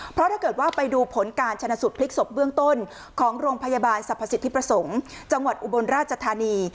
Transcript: เพราะถ้าเกิดว่าไปดูผลการชนะสูตรพลิกศพเบื้องต้นของโรงพยาบาลสรรพสิทธิประสงค์จังหวัดอุบลราชธานี